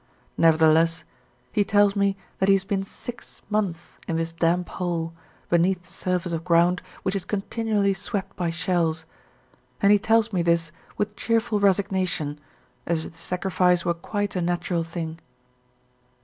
Nevertheless he tells me that he has been six months in this damp hole, beneath the surface of ground which is continually swept by shells, and he tells me this with cheerful resignation, as if the sacrifice were quite a natural thing.